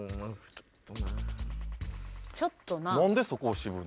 ちょっと！